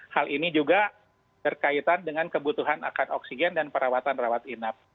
hal ini juga berkaitan dengan kebutuhan akan oksigen dan perawatan rawat inap